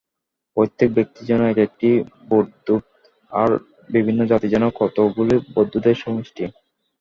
প্রত্যেক ব্যক্তিই যেন এক-একটি বুদ্বুদ, আর বিভিন্ন জাতি যেন কতকগুলি বুদ্বুদের সমষ্টি।